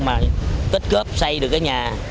mà tích cớp xây được cái nhà